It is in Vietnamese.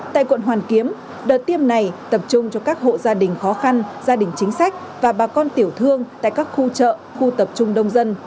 tại quận hoàn kiếm đợt tiêm này tập trung cho các hộ gia đình khó khăn gia đình chính sách và bà con tiểu thương tại các khu chợ khu tập trung đông dân